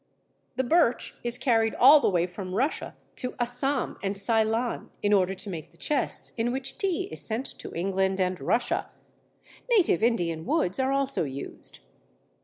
The Birch is carried all the way from Russia to Assam and Ceylon, in order to make the chests in which tea is sent to England and Russia (native Indian woods are also used).